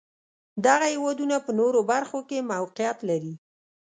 دغه هېوادونه په نورو برخو کې موقعیت لري.